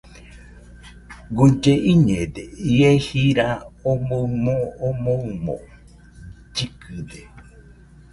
Guille iñede, ie jira omoɨ moo omoɨmo llɨkɨde